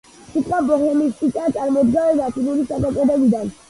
სიტყვა ბოჰემისტიკა წარმოდგა ლათინური სახელწოდებიდან.